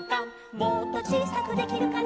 「もっとちいさくできるかな」